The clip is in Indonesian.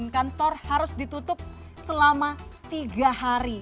sembilan kantor harus ditutup selama tiga hari